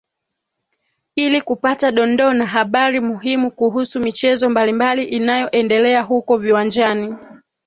ili kupata dondoo na habari muhimu kuhusu michezo mbalimbali inayoendelea huko viwanjani